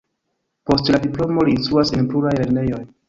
Post la diplomo li instruas en pluraj lernejoj.